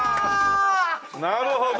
なるほど。